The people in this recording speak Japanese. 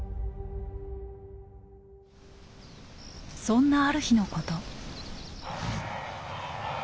そんなある日のこと。